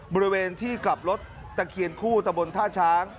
บริเวณที่กลับรถตะเคียนคู่ตะบนท่าช้าง